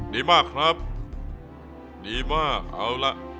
ดีมากครับดีมากเอาล่ะ